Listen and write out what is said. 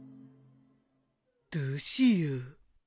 どうしよう